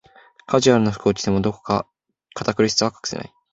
カジュアルな服を着ても、どこか堅苦しさは隠せない